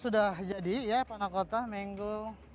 sudah jadi ya panakota menggo